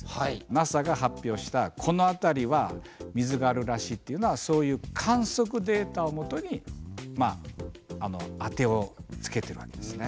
ＮＡＳＡが発表したこの辺りは水があるらしいっていうのはそういう観測データをもとに当てをつけてるわけですね。